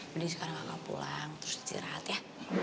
mending sekarang kakak pulang terus istirahat ya